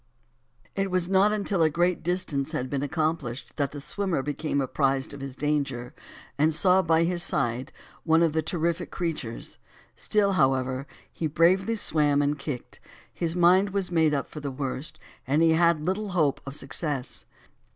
It was not until a great distance had been accomplished, that the swimmer became apprized of his danger, and saw by his side one of the terrific creatures; still however, he bravely swam and kicked, his mind was made up for the worst, and he had little hope of success.